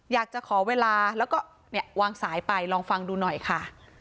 อยากจะขอเวลาแล้วก็เนี่ยวางสายไปลองฟังดูหน่อยค่ะ